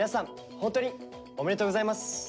ホントにおめでとうございます。